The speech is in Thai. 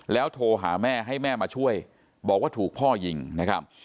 โทรหาแม่ให้แม่มาช่วยบอกว่าถูกพ่อยิงนะครับ